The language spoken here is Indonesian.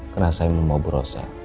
kerasa yang membawa berose